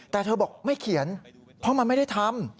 แต่เธอบอกไม่เขียนเพราะมันไม่ได้ทำ